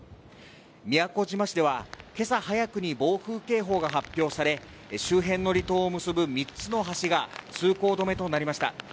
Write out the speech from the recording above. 宮古島市では今朝早くに暴風警報が発表され、周辺の離島を結ぶ３つの橋が通行止めとなりました。